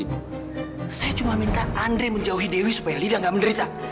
ibu saya cuma minta andre menjauhi dewi supaya lida nggak menderita